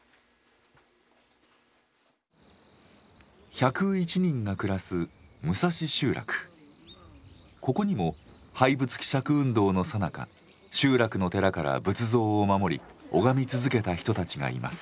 １０１人が暮らすここにも廃仏毀釈運動のさなか集落の寺から仏像を守り拝み続けた人たちがいます。